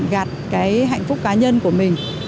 gạt cái hạnh phúc cá nhân của mình